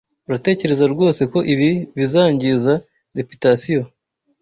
Uratekereza rwose ko ibi bizangiza reputation?